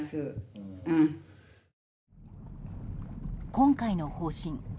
今回の方針。